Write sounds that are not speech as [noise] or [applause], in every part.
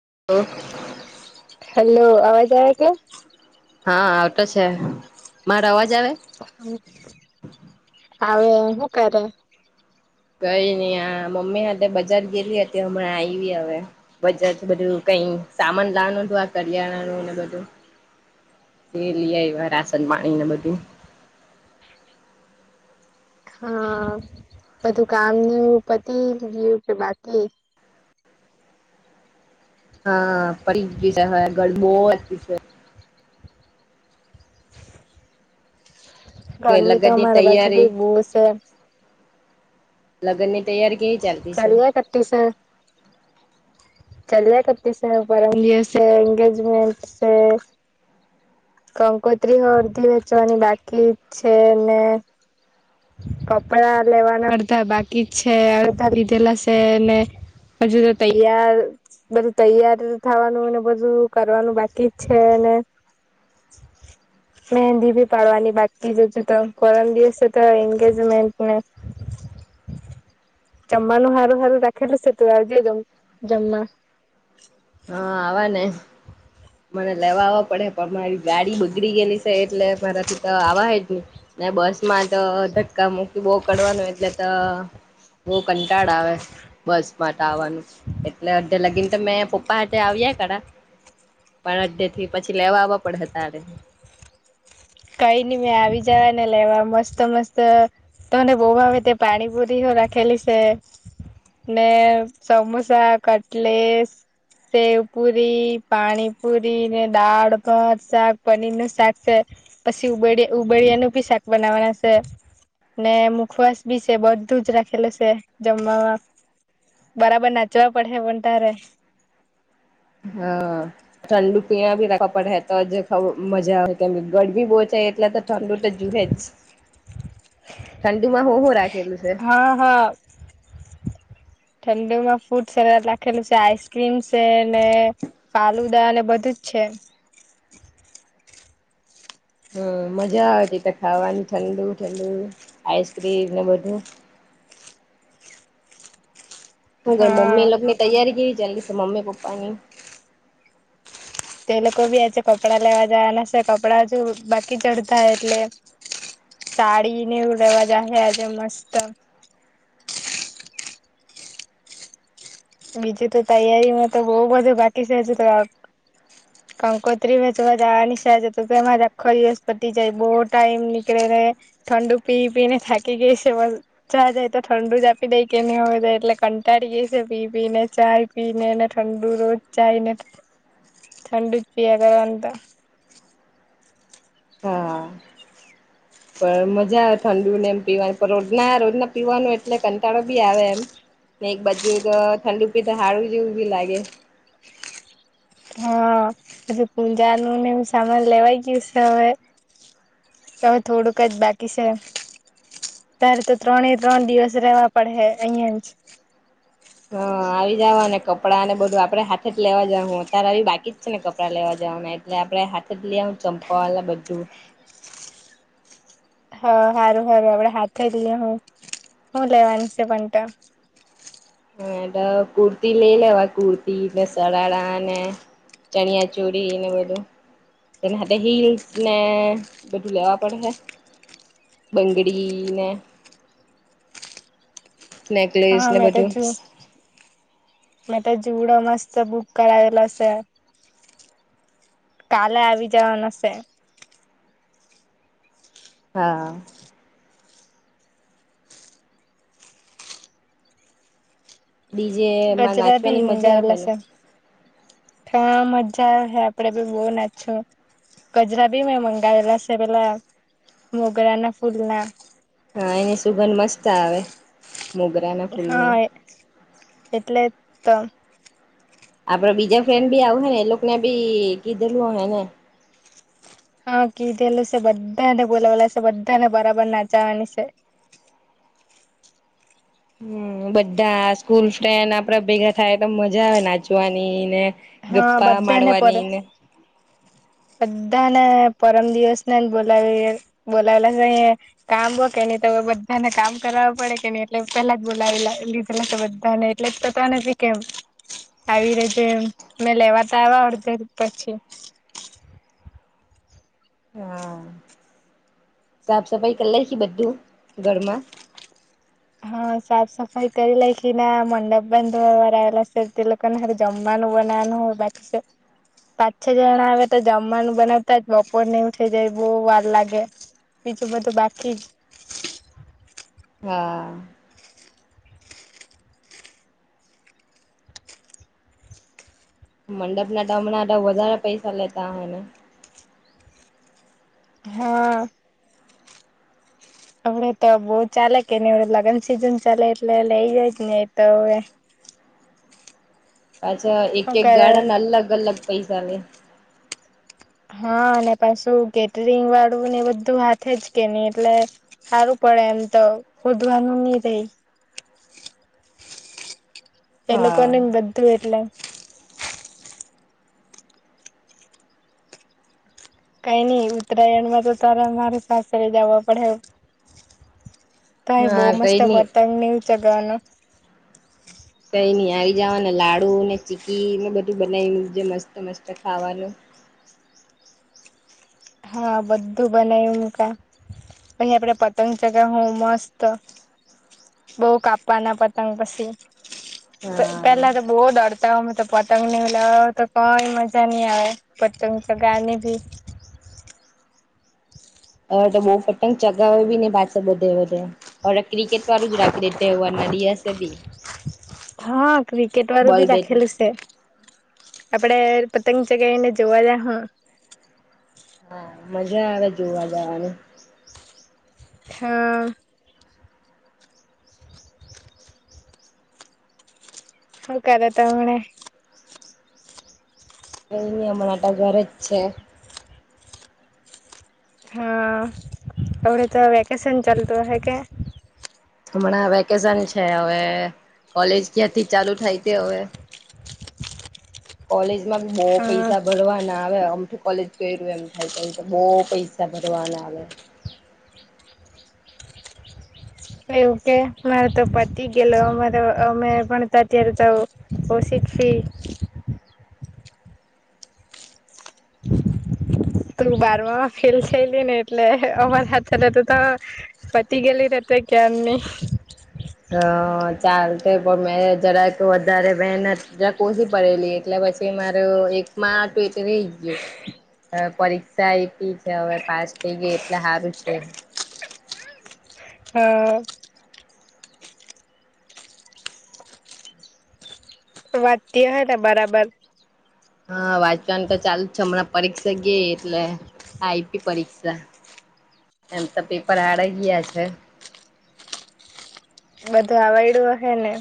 હ હેલો અવાજ આવે કે? હા આવતો છે. મારો અવાજ આવે હવે હુ કરે કઈ નઈ આ મમ્મી હાતે બજાર ગેલી હતી. હમણાં આવી હવે. બજાર બધું સામાન લાનું હતું આ કરિયાણાનું ને બધું [inaudible] તે લઇ આવ્યા રાસન પાણી ને બધું [inaudible] હા બધું કામ પતિ ગયું કે બાકી? હા પડીજ હવે ગરબો [unintelligible] છે ગરમી તો લગ્નની અમારી બાજુ ભી બવ છે. લગ્ન ની તૈયારી કેવી ચાલતી છે? ચાલ્યા કરતી છે ચાલ્યા કતી છે. પરમ દિવસે એંગેજમેન્ટ છે. કંકોત્રી અડધી વેચવાની બાકી છે. ને કપડા લેવાના અડધા બાકી છે. અડધા લીધેલા છ ને હજુ તો તૈયાર બધું તૈયાર થવાનું ને બધું કરવાનું બાકી જ છે. ને મહેંદી ભી પાડવાની બાકી જજત પરમ દિવસે તો એંગેજમેન્ટન્ટને જમાનું હારું હારું રાખેલી સ તો આવ જે, જમા હા આવાને. મને લેવાવા પડે. પણ મારી ગાડી બગડી ગયેલી એટલે મારાથી તો આવાહેજ નહી ને બસ માં તો ધક્કા મુક્યું બહુ કડવાનું એટલે તો બહુ કંટાળો આવે બસ મા તો આવવાનું. એટલે અડધે લાગીને તો મેં પપ્પ પ આવયા કડા પણ અડધે થી પછી લેવાવા પડહે તારે કઈ નહ મેં આવી જવાને લેવા. મસ્ત મસ્ત તને બૌ ભાવ તે પાણી પુરી હ રાખેલી છે ને સમોસા કટલેસ સેવ પુરી પાણીપુરી ને દાળ ભાત શાક પનીર નું શાક છે. પછી ઉબડ ઉબડિયાનું ભી શાક બનાવાના છે. ને મુખવાસ બી છે બધું જ રાખેલું છે જમવામાં બરાબર નાચવા પડે પણ તારે હા ઠંડુ પિયા ભીડ હે તો મજા આવે ગરી બહ એટલે ઠંડુ તો જુએજ ઠંડુમાં હું હું રાખેલું છે? હા [inaudible] ઠંડુ માં ફૂડ સરત રાખેલું છે આઈસક્રીમ છે ને ફાલુદા અને બધું જ છે. છે હમ મજા આવેતીટ ખાવાની ઠંડુ ઠંડુ આઈસક્રીમ ને બધું [inaudible] હું ઘર હા મમ્મી લગની તૈયારી કેવી ચાલી છે મમ્મી પપ્પાની તો એ લોકો ભી આજે કપડા લેવા જાયના કપડા હજુ બાકી ચડતા એટલે સાડીને એવું લેવા જશે આજે મસ્ત બીજું તો તૈયારીમાં તો બહ બધું બાકી છે હજુ તો કંકોત્રી ભ તો જવાની સા તું કેમાંખો દિવસપતિ જાય બહુ ટાઈમ નીકળે ઠંડુ પી પી ને થાકી ગઈ છેા જાય તો ઠંડુ જ આપી દઈ કેને હોય જાય એટલે એટલે કંટાળી ગઈ છે પી પી ને ચાય પી ને ઠંડુ રોજ ચાઈ ને ઠંડુ જ પિયા કરે એમ તો હા પણ મજા આવે ઠંડુ ને એમ પીવાની પણ રોજના રોજના પીવાનું એટલે કંટાળો બી આવે એમ ને એક બાજુ તો ઠંડુ પી તો હળું જેવું બી લાગે [inaudible] હા પછી પૂજા નું ને એ સામાન લેવાઈ ગયું છે હવે હવે થોડુંક જ બાકી છે એમ ત્યારે તો ત્રણે ત્રણ દિવસ રેવા પડે અહિયાં જ હ આવી જાઓ અને કપડાં ને બધું આપડે હાથે જ લેવા જાઉ હું અત્યારે આવી બાકી જ છે ને કપડાં લેવા જઉં એટલે આપડે હાથે જ લઇ આવું ચંપા એ બધું [inaudible] હા હારું હારું આપડે હાથે જ લેહું હું લેવાની છે પણ? માં તો કુર્તી લઈ લેવા આ કુર્તીને સડાડાને ચણિયા ચૂડીને બધું તેના હાથે હિલ્સ ને બેધું લવા પડશે. બંગડીને નેકલેસને બધું મે તો જુડો મસ્ત બુક કરાવેલસે કાલે આવી જવાનું હશે હા ડીજે માં ગજરા નાચવાની ભી મજા આવે મુંગાવલા ને છે હ મજા આવે હ આપડે બી બહ નાચું કજરા બી મેં મંગાવેલા છે પેલા મોગરા ના ફૂલ ના હા એની સુગંધ મસ્ત આવે મોગરા ના હા ફૂલની એટલે તો આપડ બીજા ફ્રેન્ડ બી આવ હે ને એ લોકોને બી કીધેલું હ ને હા કીધેલું છે બધાને બોલાવાલા છે બધાને બરાબર નાચાવાની છે [inaudible] હમ્મ બધા સ્કૂલ ફ્રેન્ડ આપડાે ભેગા થાય તો મજા આવે નાચવાની ને હા ગપ્પા બધા ને પે મારવાની તતને પરમ દિવસ નેને બોલાવી બોલાવેલાહી કામ બો કે ન તો બધા તને કામ કરાવવા પડે કે ન એટલે પેલા જ બોલાવી લીધેલા તો બધા ને એટલે પતા નથી કેમ આવી રીતે મેં લેવાતા આવ અર્ધર પછી હા સાફ સફાઈ કરલાય છે બધું ઘરમાં? હા સાફ સફાઈ તો એ ના મંડપ ધોયેલા તમે જમવાનું પણ જોવાનું [unintelligible] પાંચ છ જણા આવે તો જમવાનું બનાવતા જ બપોર નઈ ઉઠી જાય બહુ વાર લાગે બીજુંભધ બાકી હા મંડપ ના ટામણા તો વધારેા પૈસા લેતા હને હા અમને તો બઉ ચાલે કે ન લગ્ન સિઝન ચાલે એટલે લઇ જાયજ ને તો હવે પાછા એક શું એક કરે ગાળાના અલગ અલગ પૈસા આવે હા અને પાછું કેટરિંગ વાળું ને બધું હાથે જ કે નહી એટલે સારું પણ એમ તો ખોદવાનું નહીં રે. એ લોકો ને હા બધું એટલે કઈ નઈ ઉત્તરાયણમાં તો તારે મામારે પાસરે જવા પડે. તો બહુ હા મસ્ત કઈ નઈ પતંગ ને ચગવાનું કઈ આવી જવા ને લાડુ ને ચીકી બધું બનાવી જે મસ્ત મસ્ત ખાવાનું હા બધું બનાયું મૂકીએ. અહી આપડે પતંગ ચગાવ મસ્ત બઉ કાપવાના પતંગ પછી હા પેલા તો બહ દર્દ તો પતંગ નીવ લાવ તો કોઈ મજા નઈ આવે પતંગ ચગાવવાની બી હવે તો બહ પતંગ ચગાવે બી ને પાછ બધે બેવે ક્રિકેટ જ રાખી દે તહેવાર ના દિવસે ભી હા ક્રિકેટ વાળુ બી રાખેલું છે. આપડે પતંગ ચગાઈને જોવા જ હું હા મજા આવે જોવા જવાની હા. હકદતા મણે એહી હમણાટ ઘર જ છે. હા આવડે તો વેકેશન ચાલતું હ કે હમણાં વેકેશન છે હવે કોલેજ ક્યાંથી ચાલુ થાય તે હવે કોલેજ માં બી બહ હા પૈસા ભરવા ના આવે. કોલેજ ગય્યું એમ થાય તો તો બહુ પૈસા ભરવાના આવે. એ એવું કે મારો તો પતી ગેલો અમારો અમે પણ અત્યારે તોષી છે. ત બારમાં ફલ થયેલી એટલે અમર હાથ [inaudible] શ કેની હા ચાલ પણ મેં જરા કે વધારે વહેનત જ ઓછી પડેલી એટલે પછી માર એક હતું એટ રહી ગયું. હવે પરીક્ષા આપી છે હવે પાસ થઈ ગઈ એટલે સારું છે. હ વાતી હ ને બરાબર. હા વાંચવાનું તો ચાલુ છે હમણાં પરીક્ષા ગય એટલે આઈપી પરીક્ષા એમ તો પેપર હારા ગયા છે. બધું આવડડું હશે ને.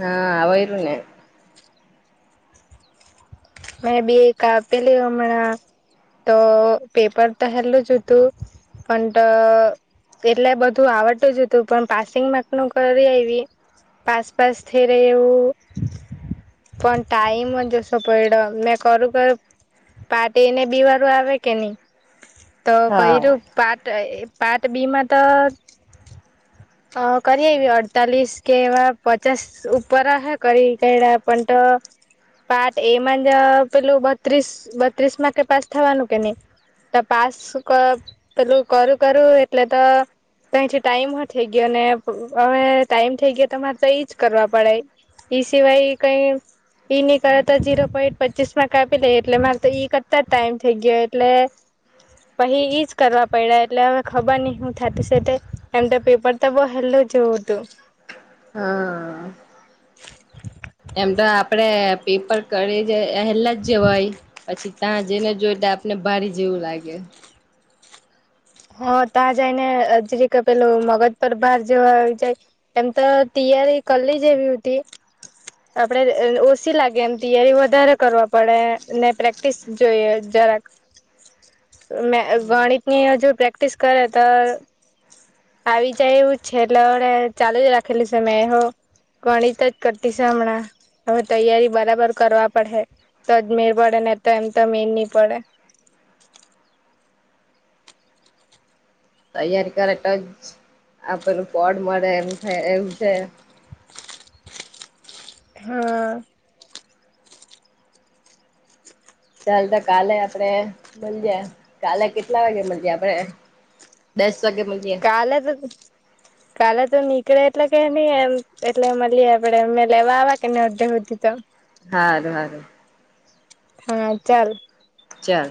હા આવયરને મેં બી એકા પેલી હમણા તો પેપર તો હલું જ હતું પણ એટલે બધું આવડતું જ હતું પણ પાસિંગ માં નું કરી એ પાસ પાસથીરે એું પણણ ટાઈમ જોસ પેડ મેં કરું કરું પાટીને બી વારું આવે કે નહી. તો હા કું પાર્ટ પાર્ટ બી માં તો હ કરી હવી અડતાલીસ કેવા પચાસ ઉપર હ કરી કેઈડા પન્ટ હમ. પાર્ટ એ માં જ પેલું બત્રીસ બત્રીસ માં કે પાસ થવાનું કે નહી. તો પાસ પેલું કરું કરું એટલે તો ક જે ટાઈમ થઈ ગયો ને હવે ટાઈમ થઈ ગયો તમારે તો એજ કરવા પડે. એઈ સિવાય કઈ ઈ નની કરે તો ઝીરો પોઈન્ટ પચીસ માં કાપી લે એટલે મારે તો ઈ કરતા ટાઈમ થઇ ગયો એટલે પહી ઈજ કરવા પડ્યા એટલે હવે ખબર નહ હું થ એમ તો ર ત બ હલો છટું હા. એમ તો આપડે પેપર કરી એલા જ હોય પછી ત્યાં જેઈને જોઈ તો આપને બારી જેવું લાગે હા ત જાયને જે ક પેલ મગધ પર્વાર જે જાય એમ તો ત્યારે કલી જેવી હતી આપડે ઓછી લાગે એમ તૈયારી વધારે કરવા પડે ને પ્રેક્ટિસ જોઈએ હમ ગણિતની હજુ પ્રેક્ટિસ કરે તો આવી જાય હું છેલા વડે ચાલુ જ રાખી સમ મે હો ગણિત જ કટી શમણા હવે તૈયારી બરાબર કરવા પડે તો જ મે પડે ને તો એમ તો મેર નહી પડે [inaudible] તૈયારી કરે તો જ આપેલું પડ મળે એમ થાય એવું છે હા ચાલ તો કાલે આપડે મળીજયા કાલે કેટલા વાગે મળીજયા આપડે બસ કાલે તો કાલે તો નીકળે એટલે કે નહ એમ એટલે મળીએ આપડે એ લેવાવા કેને અધી તો હારુ હારુ હા ચાલ ચાર